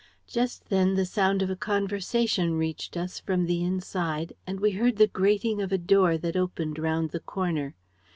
Just then the sound of a conversation reached us from the inside and we heard the grating of a door that opened round the corner.